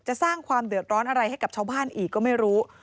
สร้างความเดือดร้อนอะไรให้กับชาวบ้านอีกก็ไม่รู้